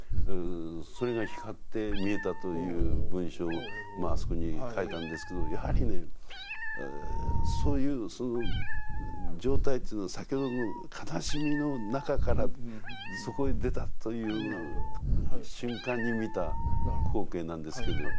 それが光って見えたという文章をあそこに書いたんですけどやはりねそういう状態っていう先ほどの悲しみの中からそこへ出たという瞬間に見た光景なんですけど。